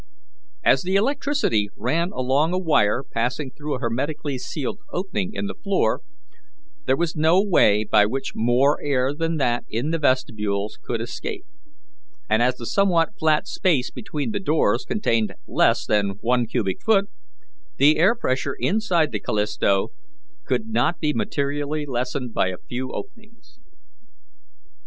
As the electricity ran along a wire passing through a hermetically sealed opening in the floor, there was no way by which more air than that in the vestibule could escape; and as the somewhat flat space between the doors contained less than one cubic foot, the air pressure inside the Callisto could not be materially lessened by a few openings.